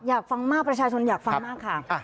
อยากฟังมากประชาชนอยากฟังมากค่ะ